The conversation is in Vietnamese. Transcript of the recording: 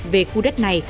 về khu đất này